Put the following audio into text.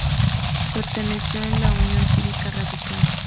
Perteneció a la Unión Cívica Radical.